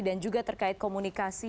dan juga terkait komunikasi